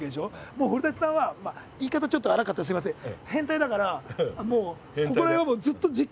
もう古さんは言い方ちょっとあらかったらすいません。